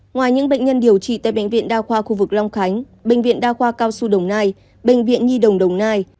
ngoài những bệnh nhân điều trị tại bệnh viện đa khoa khu vực long khánh bệnh viện đa khoa cao xu đồng nai bệnh viện nhi đồng đồng nai